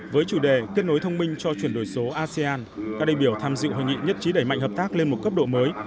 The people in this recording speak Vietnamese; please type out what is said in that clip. với chủ đề kết nối thông minh cho chuyển đổi số asean các đại biểu tham dự hội nghị nhất trí đẩy mạnh hợp tác lên một cấp độ mới